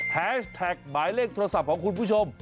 แฮชแท็กหมายเลขโทรศัพท์ของคุณผู้ชม